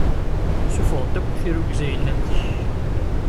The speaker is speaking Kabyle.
Sṣufeɣ-d akk tirrugza i yellan deg-k.